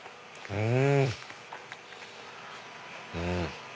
うん。